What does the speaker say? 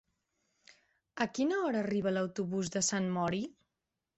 A quina hora arriba l'autobús de Sant Mori?